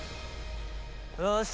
よし。